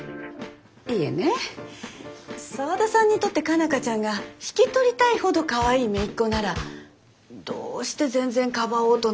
いえね沢田さんにとって佳奈花ちゃんが引き取りたいほどかわいい姪っ子ならどうして全然かばおうとなさらないのかなって。